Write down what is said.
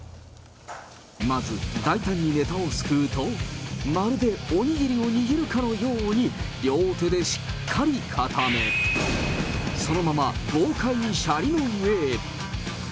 まず、大胆にネタをすくうと、まるでお握りを握るかのように、両手でしっかり固め、そのまま豪快にしゃりの上へ。